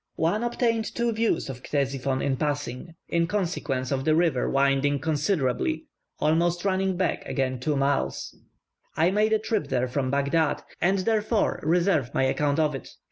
One obtained two views of Ctesiphon in passing, in consequence of the river winding considerably almost running back again several miles. I made a trip there from Baghdad, and therefore reserve my account of it.